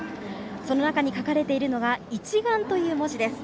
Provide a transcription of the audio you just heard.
その中に書かれているのは「一丸」という文字です。